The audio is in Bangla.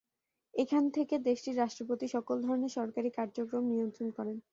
এখান থেকে দেশটির রাষ্ট্রপতি সকল ধরনের সরকারি কার্যক্রম নিয়ন্ত্রণ করেন।